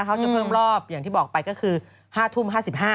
เขาจะเพิ่มรอบอย่างที่บอกไปก็คือ๕ทุ่ม๕๕